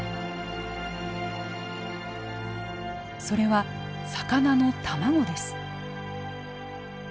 それは魚の卵です。